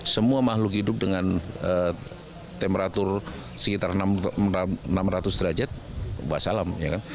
semua makhluk hidup dengan temperatur sekitar enam ratus derajat bahasa alam